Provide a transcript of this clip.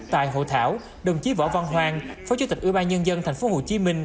tại hội thảo đồng chí võ văn hoang phó chủ tịch ưu ba nhân dân thành phố hồ chí minh